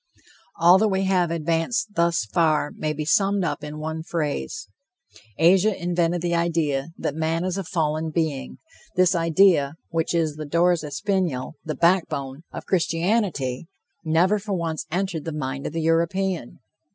All that we have advanced thus far may be summed up in one phrase: Asia invented the idea that man is a fallen being. This idea, which is the dors espinal, the backbone of Christianity, never for once entered the mind of the European.